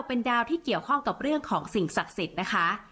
เป็นดาวที่เกี่ยวข้องกับเรื่องของสิ่งศักดิ์สิทธิ์นะคะ